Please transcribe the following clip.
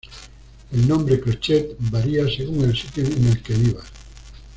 El nombre "Crochet" varía según el sitio en el que vivas.